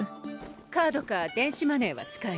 カードか電子マネーは使える？